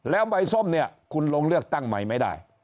แล้วใบส้มเนี่ยคุณลงเลือกตั้งใหม่ไม่ได้